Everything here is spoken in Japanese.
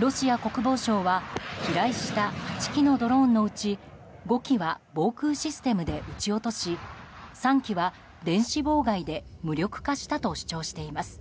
ロシア国防省は飛来した８機のドローンのうち５機は防空システムで撃ち落とし３機は電子妨害で無力化したと主張しています。